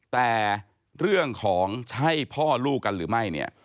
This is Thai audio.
แต่เรื่องของใช่พ่อลูกกันหรือไม่เนี่ย